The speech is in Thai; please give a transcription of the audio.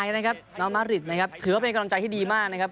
นะครับน้องมาริดนะครับถือว่าเป็นกำลังใจที่ดีมากนะครับ